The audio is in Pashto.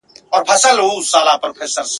او له یوه ښاخ څخه بل ته غورځو !.